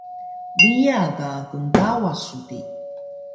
Piya ka knkawas su di?